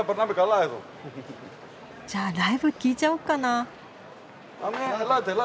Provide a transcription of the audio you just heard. じゃあライブ聴いちゃおっかな。